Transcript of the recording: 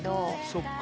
そっか。